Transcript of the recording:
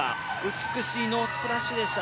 美しいノースプラッシュでした。